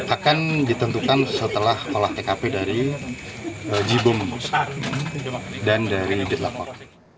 akan ditentukan setelah olah tkp dari jibom dan dari ditlak